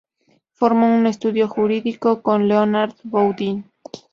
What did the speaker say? Formó un estudio jurídico con Leonard Boudin.